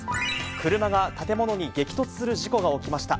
車が建物に激突する事故が起きました。